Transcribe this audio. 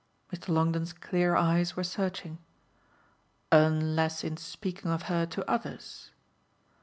Mr. Longdon's clear eyes were searching. "Unless in speaking of her to others?"